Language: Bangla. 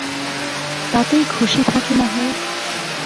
তাতেই খুশি থাকি না হয়।